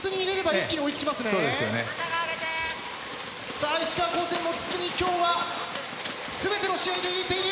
さあ石川高専も筒に今日は全ての試合で入れている。